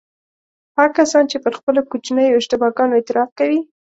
هغه کسان چې پر خپلو کوچنیو اشتباه ګانو اعتراف کوي.